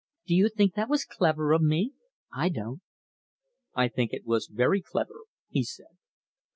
Do you think that was clever of me? I don't." "I think it was very clever," he said.